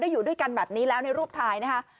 อยู่ด้วยกันแบบนี้แล้วในรูปถ่ายนะคะ